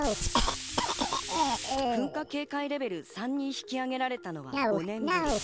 噴火警戒レベル３に引き上げられたのは５年ぶり。